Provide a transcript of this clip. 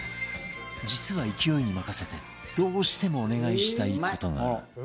実は勢いに任せてどうしてもお願いしたい事が